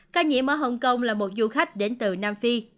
ca nhiễm ở hồng kông là một du khách đến từ nam phi